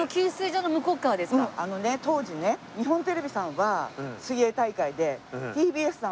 あのね当時ね日本テレビさんは水泳大会で。